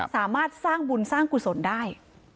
สามารถสร้างบุญสร้างกุศลได้